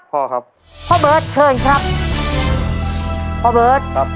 พ่อครับพ่อเบิร์ตเชิญครับพ่อเบิร์ตครับ